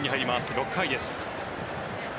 ６回です。